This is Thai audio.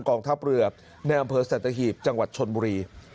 กองทัพเรือในอำเภอสัตหีบจังหวัดชนบุรี